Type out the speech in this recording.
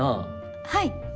はい！